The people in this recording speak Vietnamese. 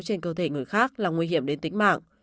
trên cơ thể người khác là nguy hiểm đến tính mạng